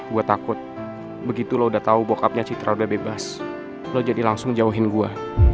gue takut begitu lo udah tau bockupnya citra udah bebas lo jadi langsung jauhin gue